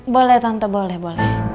boleh tante boleh boleh